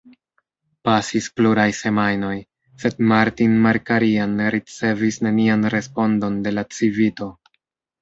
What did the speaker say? Pasis pluraj semajnoj, sed Martin Markarian ricevis nenian respondon de la Civito.